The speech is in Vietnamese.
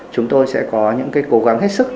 chúng tôi sẽ có những cố gắng hết sức